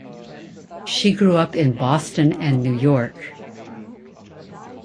She grew up in Boston and New York.